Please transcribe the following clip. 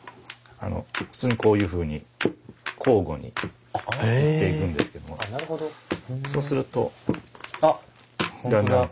あの普通にこういうふうに交互によっていくんですけどもそうするとだんだんと。